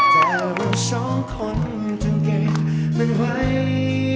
แต่ว่าสองคนจงเก็บมันไหว